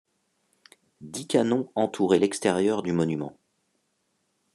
Dix canons entouraient l'extérieur du monument.